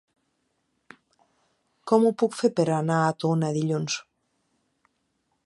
Com ho puc fer per anar a Tona dilluns?